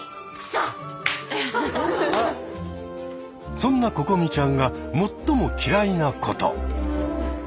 そんなここみちゃんが最も嫌いなこと。